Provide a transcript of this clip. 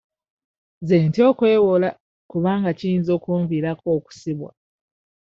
Nze ntya okwewola kubanga kiyinza okunviirako okusibwa.